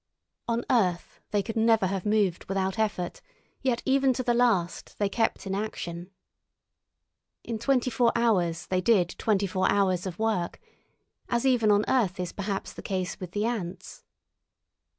On earth they could never have moved without effort, yet even to the last they kept in action. In twenty four hours they did twenty four hours of work, as even on earth is perhaps the case with the ants.